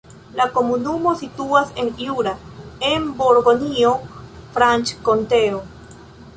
La komunumo situas en Jura, en Burgonjo-Franĉkonteo.